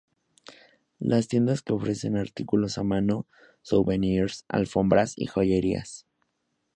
Las tiendas que ofrecen artículos a mano, souvenirs, alfombras y joyerías.